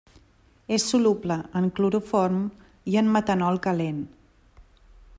És soluble en cloroform i en metanol calent.